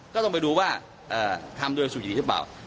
ก็ต้องไปดูว่าทำโดยสุจริตหรือเปล่า